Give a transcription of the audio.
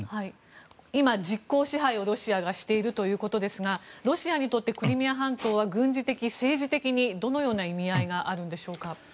今、ロシアが実効支配しているということですがロシアにとってクリミア半島は軍事的、政治的にどのような意味合いがあるんでしょうか。